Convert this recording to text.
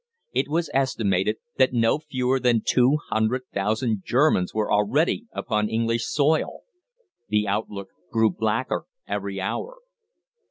It was estimated that no fewer than two hundred thousand Germans were already upon English soil! The outlook grew blacker every hour.